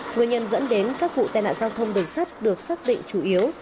nguyên nhân dẫn đến các vụ tai nạn giao thông đường sắt được xác định chủ yếu